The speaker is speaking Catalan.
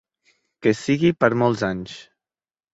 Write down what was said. Que sigui per molts anys.